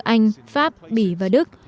anh pháp bỉ và đức